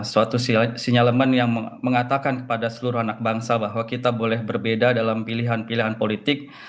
suatu sinyalemen yang mengatakan kepada seluruh anak bangsa bahwa kita boleh berbeda dalam pilihan pilihan politik